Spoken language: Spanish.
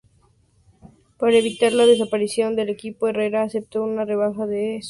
Para evitar la desaparición del equipo, Herrera aceptó una rebaja de su ficha.